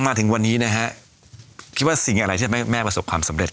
มาถึงวันนี้คิดว่าสิ่งอะไรที่แม่ประสบความสำเร็จ